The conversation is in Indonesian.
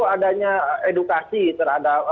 adanya edukasi terhadap